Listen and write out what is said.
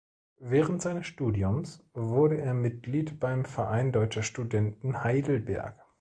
Während seines Studiums wurde er Mitglied beim "Verein Deutscher Studenten Heidelberg".